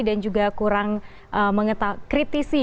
dan juga kurang mengkritisi